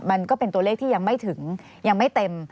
มันก็เป็นตัวเลขที่ยังไม่ถึงยังไม่เต็ม